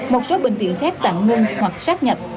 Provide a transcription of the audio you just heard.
một số bệnh viện khác tạm ngưng hoặc sắp nhập